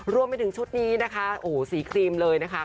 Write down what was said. รวมไปถึงชุดนี้นะคะโอ้โหสีครีมเลยนะคะ